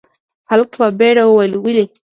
هلک په بيړه وويل، ولې؟